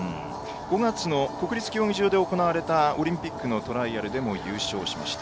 ５月の国立競技場で行われたオリンピックのトライアルでも優勝しました。